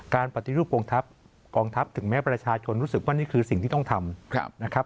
การปฏิรูปกองทัพถึงแม้ประชาชนรู้สึกว่านี่คือสิ่งที่ต้องทำ